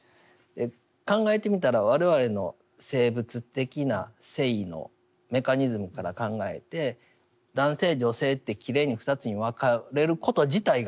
考えてみたら我々の生物的な性のメカニズムから考えて男性女性ってきれいに２つに分かれること自体が不思議ですよね。